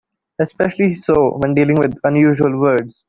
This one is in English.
Especially so when dealing with unusual words.